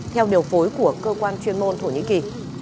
theo điều phối của cơ quan chuyên môn thổ nhĩ kỳ